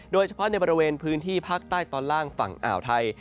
โดยเฉพาะในบริเวณพื้นที่ภาคใต้ตอนล่างฝั่งอ่าวไทย